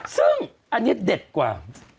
ซึ่งอันนี้เด็ดกว่า